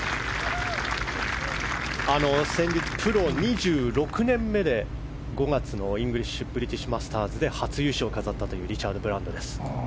先日、プロ２６年目で５月のイングリッシュブリティッシュマスターで初優勝を飾ったというリチャード・ブランドです。